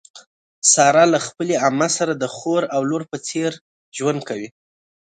ساره له خپلې عمه سره د خور او لور په څېر ژوند کوي.